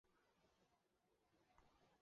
不依附政党！